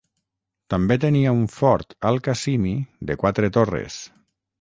També tenia un fort Al-Qasimi de quatre torres.